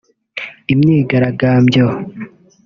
Imyigaragambyo